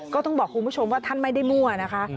ก็ต้องบอกคุณผู้ชมว่าท่านไม่ได้มั่วนะคะ